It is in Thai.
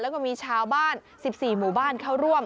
แล้วก็มีชาวบ้าน๑๔หมู่บ้านเข้าร่วม